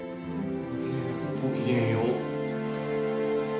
ごきげんよう。